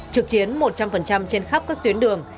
trực chiến một trăm linh trên khắp các tuyến đường